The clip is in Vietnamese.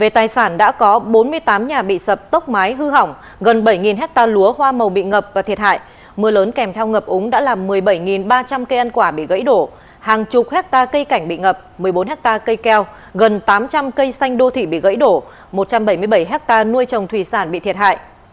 tài sản đã có bốn mươi tám nhà bị sập tốc mái hư hỏng gần bảy hectare lúa hoa màu bị ngập và thiệt hại mưa lớn kèm theo ngập úng đã làm một mươi bảy ba trăm linh cây ăn quả bị gãy đổ hàng chục hectare cây cảnh bị ngập một mươi bốn hectare cây keo gần tám trăm linh cây xanh đô thị bị gãy đổ một trăm bảy mươi bảy hectare nuôi trồng thủy sản bị thiệt hại